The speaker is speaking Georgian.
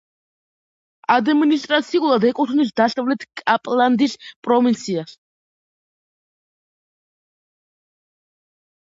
ადმინისტრაციულად ეკუთვნის დასავლეთ კაპლანდის პროვინციას.